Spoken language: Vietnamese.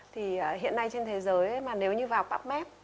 thì hiện nay trên thế giới mà nếu như vào cắp mép